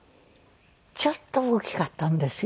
ちょっと大きかったんですよ。